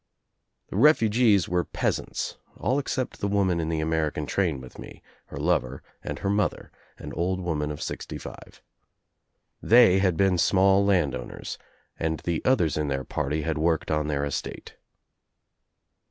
The refugees were peasants, all except the woman in the American train with me, her lover and her mother, an old woman of sixty five. They had been small landowners and the others in their party had worked on their estate.